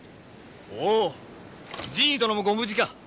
おう陣医殿もご無事か？